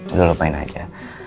udah lupain aja